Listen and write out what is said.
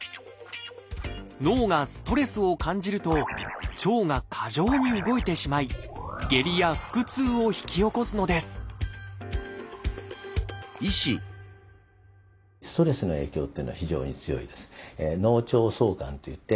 脳がストレスを感じると腸が過剰に動いてしまい下痢や腹痛を引き起こすのですさて